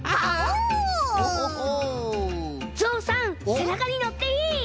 せなかにのっていい？